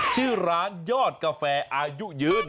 ชื่อร้านยอดกาแฟอายุยืน